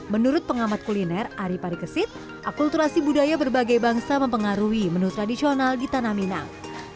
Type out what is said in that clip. menurut pengamat kuliner ari parikesit akulturasi budaya berbagai bangsa mempengaruhi menu tradisional di tanah minang